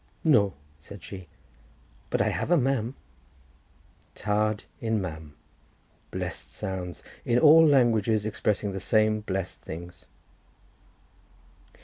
"No," said she; "but I have a mam." Tad im mam; blessed sounds; in all languages expressing the same blessed things.